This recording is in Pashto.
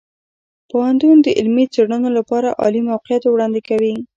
پوهنتون د علمي څیړنو لپاره عالي موقعیت وړاندې کوي.